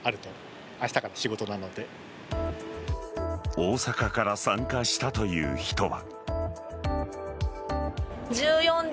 大阪から参加したという人は。